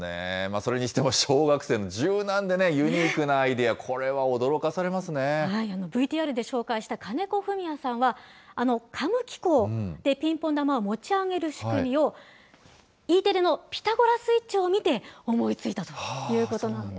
それにしても小学生の柔軟でユニークなアイＶＴＲで紹介した金子史哉さんは、カム機構でピンポン球を持ち上げる仕組みを、Ｅテレのピタゴラスイッチを見て思いついたということなんです。